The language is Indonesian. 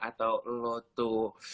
atau lo tuh